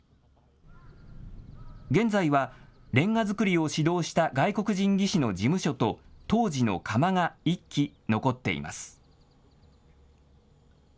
現在は、レンガ作りを指導した外国人技師の事務所と当時の窯が１基残っています。